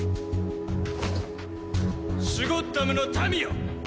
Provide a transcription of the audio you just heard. シュゴッダムの民よ！